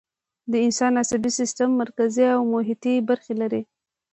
د انسان عصبي سیستم مرکزي او محیطی برخې لري